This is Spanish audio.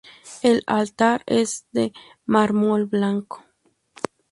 El altar es de mármol blanco.